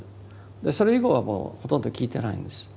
それ以後はもうほとんど聞いてないんです。